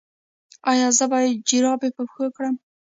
ایا زه باید جرابې په پښو کړم؟